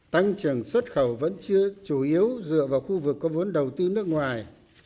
tăng trưởng xuất khẩu vẫn chưa chủ yếu dựa vào khu vực có vốn đầu tư nước ngoài